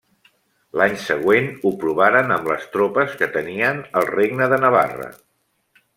L'any següent ho provaren amb les tropes que tenien al regne de Navarra.